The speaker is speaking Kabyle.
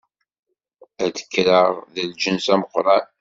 Ad k-rreɣ d lǧens ameqran.